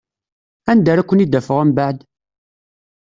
Anda ara ken-id-afeɣ umbeɛd?